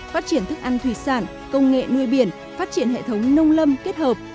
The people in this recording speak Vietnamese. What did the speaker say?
phát triển thức ăn thủy sản công nghệ nuôi biển phát triển hệ thống nông lâm kết hợp